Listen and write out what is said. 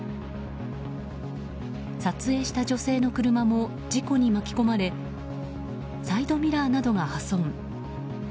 撮影した女性の車も事故に巻き込まれサイドミラーなどが破損。